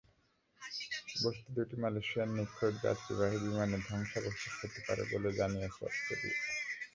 বস্তু দুটি মালয়েশিয়ার নিখোঁজ যাত্রীবাহী বিমানের ধ্বংসাবশেষ হতে পারে বলে জানিয়েছে অস্ট্রেলিয়া।